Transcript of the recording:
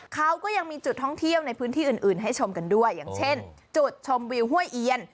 เขาก็ยังมีจุดท่องเที่ยวในพื้นที่อื่นให้ชมกันด้วยอย่างเช่นจุดชมวิวห้วยเอียน